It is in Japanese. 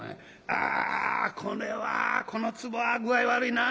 「ああこれはこのつぼは具合悪いな」。